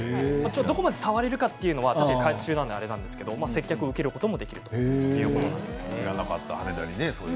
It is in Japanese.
どこまで触れるかというと開発中なのであれなんですけど接客は受けることができるそうです。